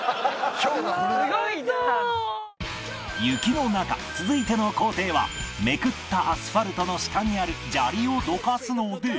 雪の中続いての工程はめくったアスファルトの下にある砂利をどかすので